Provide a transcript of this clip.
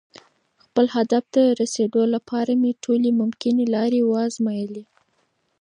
خپل هدف ته د رسېدو لپاره مې ټولې ممکنې لارې وازمویلې.